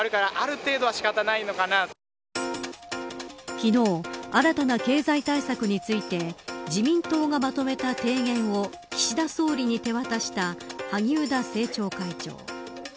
昨日、新たな経済対策について自民党がまとめた提言を岸田総理に手渡した萩生田政調会長。